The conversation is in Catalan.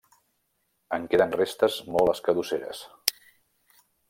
En queden restes molt escadusseres.